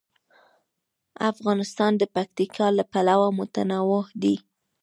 افغانستان د پکتیا له پلوه متنوع دی.